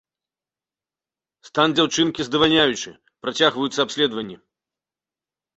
Стан дзяўчынкі здавальняючы, працягваюцца абследаванні.